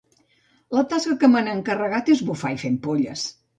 La tasca que m'han encarregat és bufar i fer ampolles.